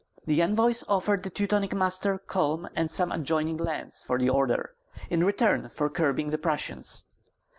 The envoys offered the Teutonic master Culm and some adjoining lands for the order, in return for curbing the Prussians.